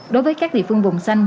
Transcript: đối với các địa phương vùng xanh